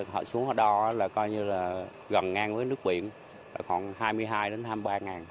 họ xuống hoa đo là coi như là gần ngang với nước biển khoảng hai mươi hai đến hai mươi ba ngàn